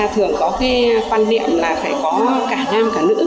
thường có cái quan niệm là phải có cả nam cả nữ